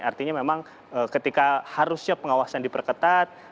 artinya memang ketika harusnya pengawasan diperketat